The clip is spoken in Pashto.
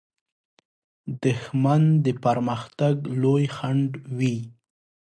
دښمن د پرمختګ لوی خنډ وي